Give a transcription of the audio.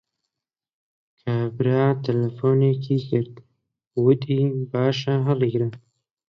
کابرا تەلەفۆنێکی کرد، گوتی باشە هەڵیگرە